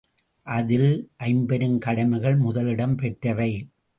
அதில் ஐம்பெருங் கடமைகள் முதலிடம் பெற்றவை.